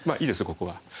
ここは。